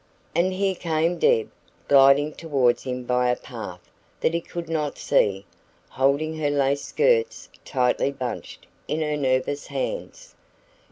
And here came Deb, gliding towards him by a path that he could not see, holding her lace skirts tightly bunched in her nervous hands.